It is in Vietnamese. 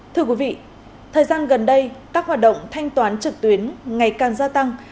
thưa quý vị thời gian gần đây các hoạt động thanh toán trực tuyến ngày càng gia tăng